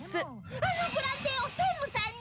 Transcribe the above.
あのブランデーを専務さんに！？